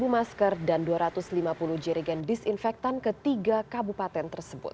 dua ratus masker dan dua ratus lima puluh jirigen disinfektan